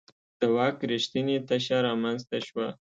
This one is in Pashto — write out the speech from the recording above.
د واک رښتینې تشه رامنځته شوه.